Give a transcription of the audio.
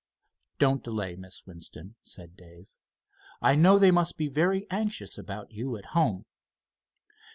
"Don't delay, Miss Winston," said Dave. "I know they must be very anxious about you at home."